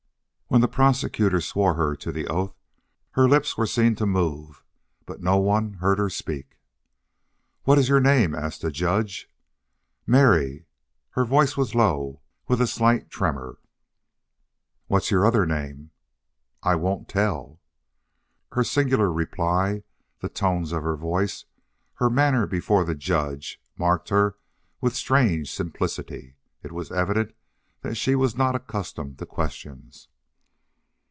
When the prosecutor swore her to the oath her lips were seen to move, but no one heard her speak. "What is your name?" asked the judge. "Mary." Her voice was low, with a slight tremor. "What's your other name?" "I won't tell." Her singular reply, the tones of her voice, her manner before the judge, marked her with strange simplicity. It was evident that she was not accustomed to questions.